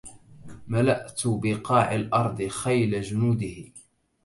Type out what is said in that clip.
ملأت بقاع الأرض خيل جنوده